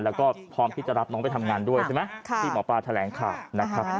แล้วก็พร้อมที่จะรับน้องไปทำงานด้วยใช่ไหมที่หมอปลาแถลงข่าวนะครับ